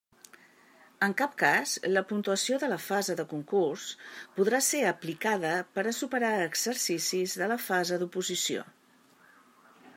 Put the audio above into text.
En cap cas la puntuació de la fase de concurs podrà ser aplicada per a superar exercicis de la fase d'oposició.